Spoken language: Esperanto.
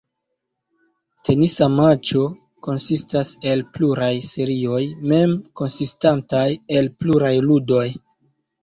Tenisa matĉo konsistas el pluraj serioj, mem konsistantaj el pluraj ludoj.